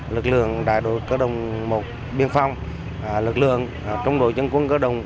lực lượng đại đội cơ đồng một biên phong lực lượng trung đội dân quân cơ đồng